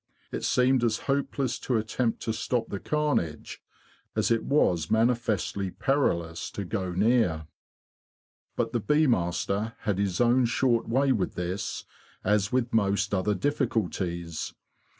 It seemed as hopeless to attempt to stop the carnage as it was manifestly perilous to go near. But the bee master had his own short way with this, as with most other difficulties.